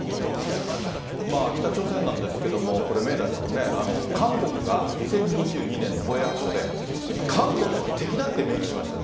北朝鮮なんですけれども、明大さんね、韓国が２０２２年の防衛白書で、韓国は敵だって明記しましたよね。